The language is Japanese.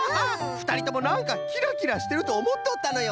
ふたりともなんかキラキラしてるとおもっとったのよ！